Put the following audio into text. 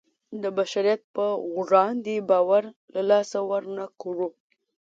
د بشریت په وړاندې باور له لاسه ورنکړو.